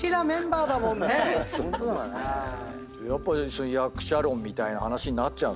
やっぱ役者論みたいな話になっちゃうんすか？